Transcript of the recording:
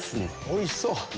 おいしそう！